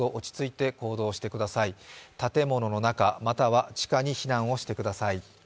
建物の中、または地下に避難をしてください。